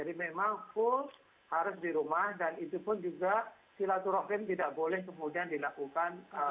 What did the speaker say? jadi memang full harus di rumah dan itu pun juga shilatul rahim tidak boleh kemudian dilakukan